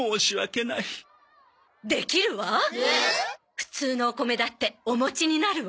普通のお米だってお餅になるわ！